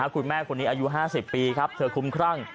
คุณแม่คนนี้อายุ๕๐ปีครับเธอคุ้มครั่ง